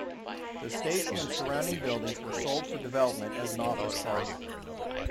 The station and surrounding buildings were sold for development as an office park.